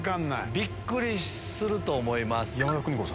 びっくりすると思います。